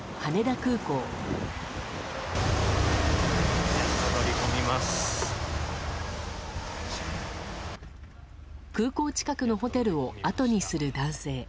空港近くのホテルをあとにする男性。